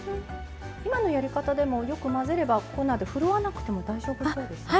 今のやり方でもよく混ぜれば粉でふるわなくても大丈夫そうですね。